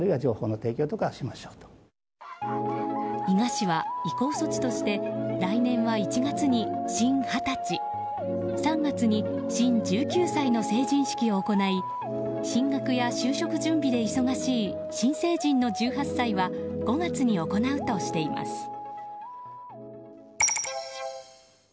伊賀市は移行措置として来年は１月に新二十歳３月に新１９歳の成人式を行い進学や就職準備で忙しい新成人の１８歳は５月に行うとしています。